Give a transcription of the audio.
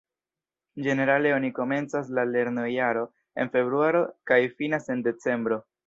Ĝenerale oni komencas la lernojaro en februaro kaj finas en decembro.